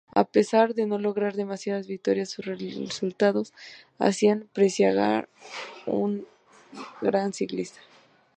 A pesar de no lograr demasiadas victorias, sus resultados hacían presagiar un gran ciclista.